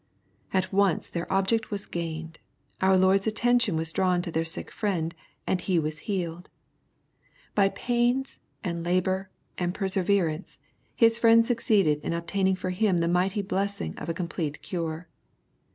At once their object was gained. .Our Lord's attention was drawn to their sick friend, and he was healed. By painS', and labor, and perseverance, his friends succeeded m obtaining for him the mighty blessing of a complete cure.